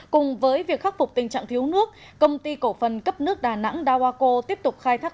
cùng với việc khắc phục tình trạng thiếu nước công ty cổ phần cấp nước đà nẵng dawako tiếp tục khai thác